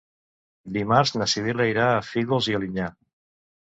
Dimarts na Sibil·la irà a Fígols i Alinyà.